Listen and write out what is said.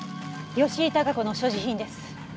吉井孝子の所持品です。